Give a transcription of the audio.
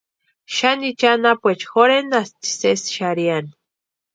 Xanichu anapuecha jorhenasti sési xarhiani.